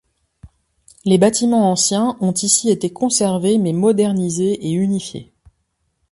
Les bâtiments anciens ont ici été conservés mais modernisés et unifiés.